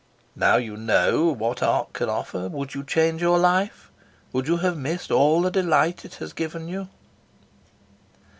"Now that you know what art can offer, would you change your life? Would you have missed all the delight it has given you?"